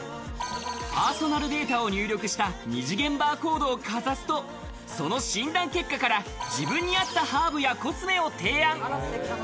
パーソナルデータを入力した二次元バーコードをかざすと、その診断結果から、自分に合ったハーブやコスメを提案。